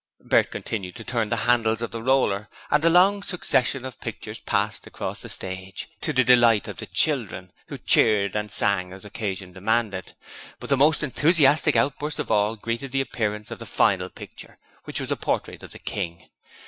Bert continued to turn the handles of the rollers and a long succession of pictures passed across the stage, to the delight of the children, who cheered and sang as occasion demanded, but the most enthusiastic outburst of all greeted the appearance of the final picture, which was a portrait of the King.